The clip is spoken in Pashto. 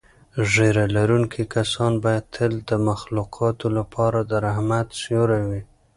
ږیره لرونکي کسان باید تل د مخلوقاتو لپاره د رحمت سیوری وي.